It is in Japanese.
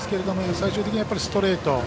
最終的にはストレート。